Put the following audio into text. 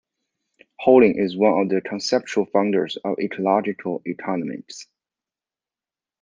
Holling is one of the conceptual founders of ecological economics.